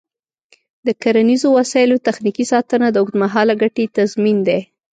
د کرنیزو وسایلو تخنیکي ساتنه د اوږدمهاله ګټې تضمین دی.